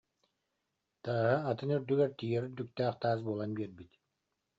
Тааһа атын үрдүгэр тиийэр үрдүктээх таас буолан биэрбит